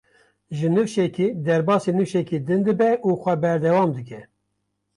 Ji nifşekî derbasî nifşekî din dibe û xwe berdewam dike.